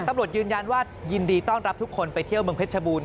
ตำรวจยืนยันว่ายินดีต้อนรับทุกคนไปเที่ยวเมืองเพชรบูร